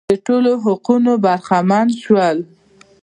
د ټولو حقونو برخمن شول.